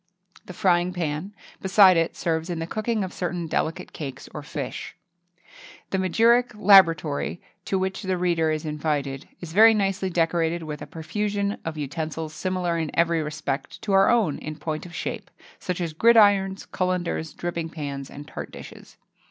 The frying pan, beside it, serves in the cooking of certain delicate cakes or fish.[XXII 60] The magiric laboratory, to which the reader is invited, is very nicely decorated with a profusion of utensils similar in every respect to our own in point of shape such as gridirons, cullenders, dripping pans, and tart dishes.